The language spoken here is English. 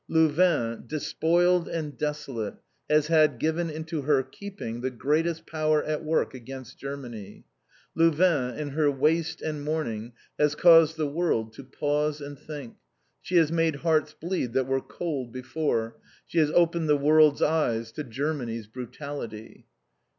Louvain, despoiled and desolate, has had given into her keeping the greatest power at work against Germany. Louvain, in her waste and mourning, has caused the world to pause and think. She has made hearts bleed that were cold before; she has opened the world's eyes to Germany's brutality!